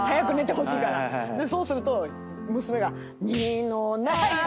そうすると娘が。